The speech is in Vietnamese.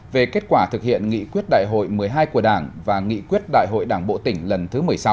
về kết quả thực hiện nghị quyết đại hội một mươi hai của đảng và nghị quyết đại hội đảng bộ tỉnh lần thứ một mươi sáu